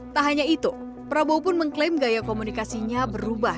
tak hanya itu prabowo pun mengklaim gaya komunikasinya berubah